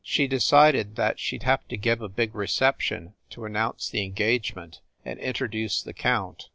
She decided that she d have to give a big recep tion to announce the engagement and introduce the count.